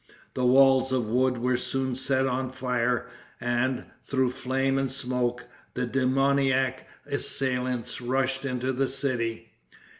The walls of wood were soon set on fire, and, through flame and smoke, the demoniac assailants rushed into the city.